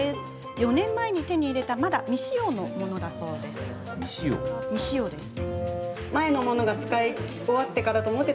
４年前に手に入れた未使用のものだそうです。